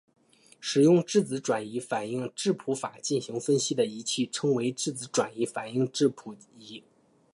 使用质子转移反应质谱法进行分析的仪器称为质子转移反应质谱仪。